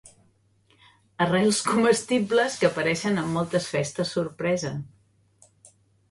Arrels comestibles que apareixen en moltes festes sorpresa.